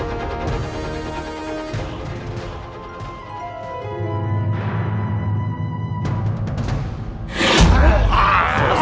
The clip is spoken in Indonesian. senopati tak ada